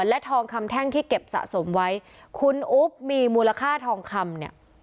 และทองคำแท่งที่เก็บสะสมไว้คุณอุ๊บมีมูลค่าทองคำเนี่ย